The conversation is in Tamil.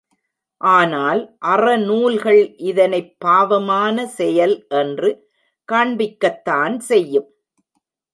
ஆனால் அறநூல்கள் இதனைப் பாவமான செயல் என்று காண்பிக்கத்தான் செய்யும்.